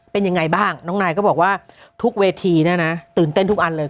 เป็นยังไงบ้างน้องนายก็บอกว่าทุกเวทีเนี่ยนะตื่นเต้นทุกอันเลย